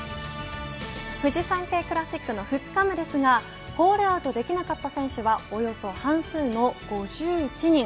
フジサンケイクラシックの２日目ですがホールアウトできなかった選手はおよそ半数の５１人。